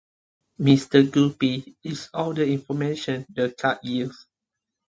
"Mr. Guppy" is all the information the card yields.